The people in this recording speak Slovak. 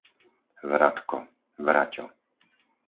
Vratko, Vraťo